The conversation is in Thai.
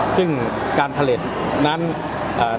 สิ่งการเผล็ดนั้นอ่า